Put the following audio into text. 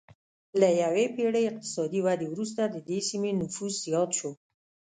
له یوې پېړۍ اقتصادي ودې وروسته د دې سیمې نفوس زیات شو